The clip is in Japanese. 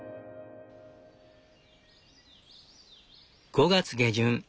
５月下旬。